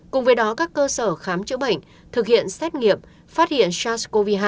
cùng với đó các cơ sở khám chữa bệnh thực hiện xét nghiệm phát hiện sars cov hai